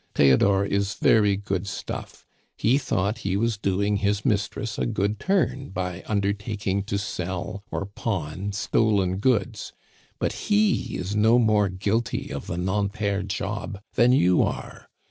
Theodore is very good stuff; he thought he was doing his mistress a good turn by undertaking to sell or pawn stolen goods; but he is no more guilty of the Nanterre job than you are.